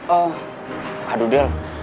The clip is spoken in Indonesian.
oh aduh del